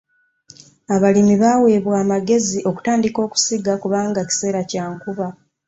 Abalimi baaweebwa amagezi okutandika okusiga kubanga kiseera kya nkuba.